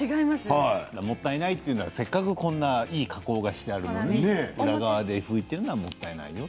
もったいないというのはせっかくいい加工がされているのに裏側で拭いているのはもったいないと。